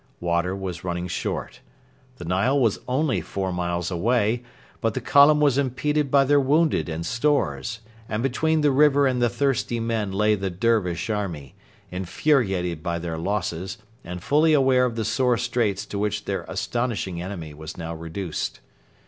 Water was running short. The Nile was only four miles away; but the column were impeded by their wounded and stores, and between the river and the thirsty men lay the Dervish army, infuriated by their losses and fully aware of the sore straits to which their astonishing enemy was now reduced.